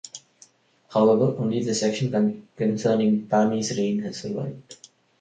However, only the section concerning Pami's reign has survived.